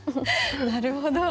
なるほど。